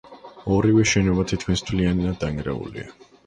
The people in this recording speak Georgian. ორივე შენობა თითქმის მთლიანად დანგრეულია.